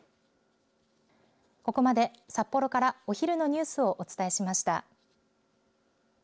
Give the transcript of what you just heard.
ここまで札幌からお昼のニュースをお伝えしました。